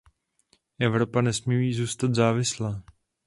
Evropa nesmí zůstat závislá.